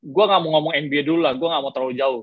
gue gak mau ngomong nba dulu lah gue gak mau terlalu jauh